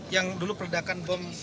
yang dulu peredakan bom